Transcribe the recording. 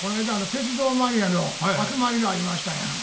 鉄道マニアの集まりがありましたんや。